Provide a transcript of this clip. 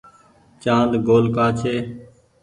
چآند گول ڪآ ڇي۔